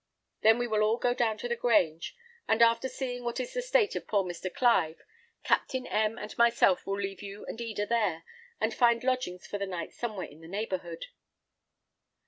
Then we will all go down to the Grange; and after seeing what is the state of poor Mr. Clive, Captain M and myself will leave you and Eda there, and find lodgings for the night somewhere in the neighbourhood."